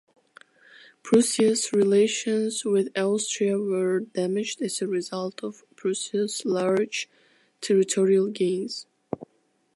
Prussia's relations with Austria were damaged as a result of Prussia's large territorial gains.